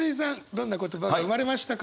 どんな言葉が生まれましたか？